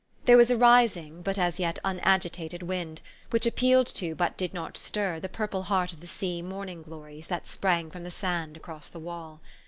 There was a rising, but as yet unagitated wind, which appealed to, but did not stir, the purple heart of the sea morning glories that sprang from the sand across the wall.